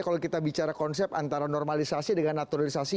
kalau kita bicara konsep antara normalisasi dengan naturalisasi